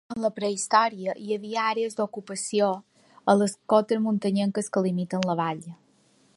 En la prehistòria hi havia àrees d'ocupació a les cotes muntanyenques que limiten la vall.